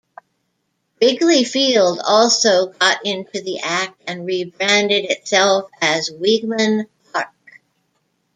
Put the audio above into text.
Wrigley Field also got into the act and rebranded itself as Weeghman Park.